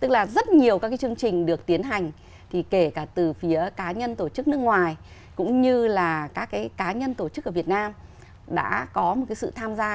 tức là rất nhiều các cái chương trình được tiến hành thì kể cả từ phía cá nhân tổ chức nước ngoài cũng như là các cái cá nhân tổ chức ở việt nam đã có một cái sự tham gia